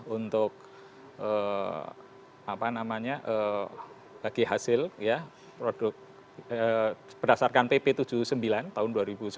untuk bagi hasil produk berdasarkan pp tujuh puluh sembilan tahun dua ribu sembilan belas